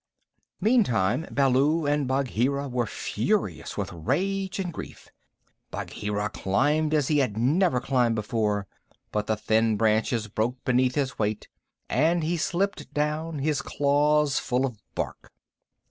Meantime, Baloo and Bagheera were furious with rage and grief. Bagheera climbed as he had never climbed before, but the thin branches broke beneath his weight, and he slipped down, his claws full of bark.